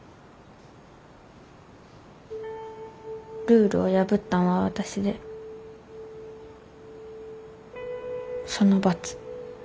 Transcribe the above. ルールを破ったんは私でその罰。